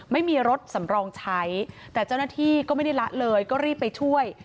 ไม่มีรถสำรองใช้แต่เจ้าหน้าที่ก็ไม่ได้ละเลยก็รีบไปช่วย